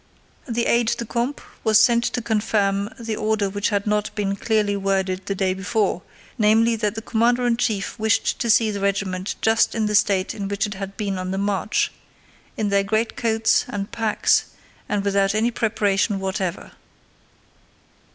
The aide de camp was sent to confirm the order which had not been clearly worded the day before, namely, that the commander in chief wished to see the regiment just in the state in which it had been on the march: in their greatcoats, and packs, and without any preparation whatever.